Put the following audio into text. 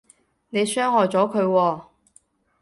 你傷害咗佢喎